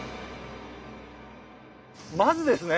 まずですね